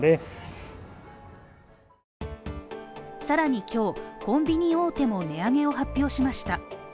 更に今日、コンビニ大手も値上げを発表しました。